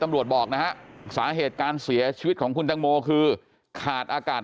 บอกนะฮะสาเหตุการเสียชีวิตของคุณตังโมคือขาดอากาศ